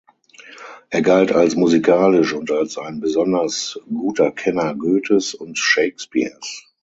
Er galt als musikalisch und als ein besonders guter Kenner Goethes und Shakespeares.